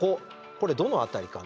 これどの辺りかな？